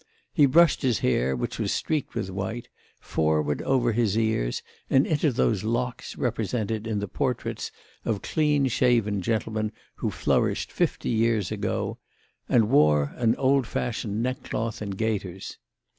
He brushed his hair, which was streaked with white, forward over his ears and into those locks represented in the portraits of clean shaven gentlemen who flourished fifty years ago and wore an old fashioned neckcloth and gaiters.